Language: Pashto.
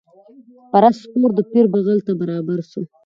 پر آس سپور د پیر بغل ته برابر سو